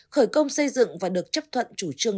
khởi công xây dựng và được chấp thuận chủ trương